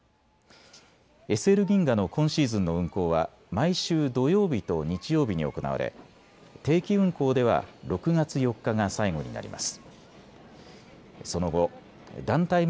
ＳＬ銀河の今シーズンの運行は毎週土曜日と日曜日に行われ、定期運行では６月４日が最後になります。